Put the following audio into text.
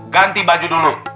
ganti baju dulu